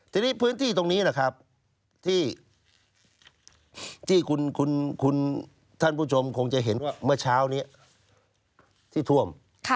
ทีนี้พื้นที่ตรงนี้ที่คุณธ่านผู้ชมคงจะเห็นว่าเมื่อเช้านี้ที่ถ้วม